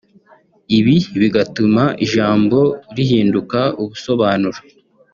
ibi bigatuma ijambo rihindura ubusobanuro